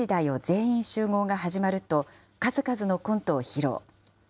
全員集合が始まると、数々のコントを披露。